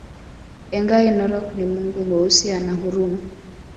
Engai Narok ni mungu Mweusi ana huruma